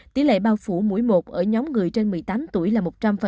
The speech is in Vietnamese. tỷ lệ bao phủ mũi một ở nhóm người trên một mươi tám tuổi là một trăm linh